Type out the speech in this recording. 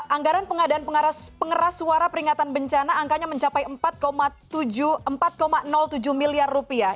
anggaran pengadaan pengeras suara peringatan bencana angkanya mencapai empat tujuh miliar rupiah